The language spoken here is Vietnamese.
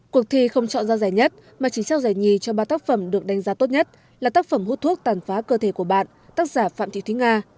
cuộc thi không chọn ra giải nhất mà chỉ trao giải nhì cho ba tác phẩm được đánh giá tốt nhất là tác phẩm hút thuốc tàn phá cơ thể của bạn tác giả phạm thị thúy nga